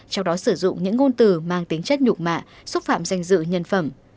trong đó sử dụng những ngôn từ mang tính chất nhục mạ xúc phạm danh dự nhân phẩm